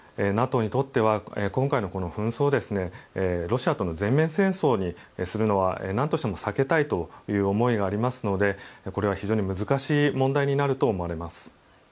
ＮＡＴＯにとっては今回の紛争をロシアとの全面戦争にするのはなんとしても避けたいという思いがありますのでこれは非常に難しい問題になると思われます。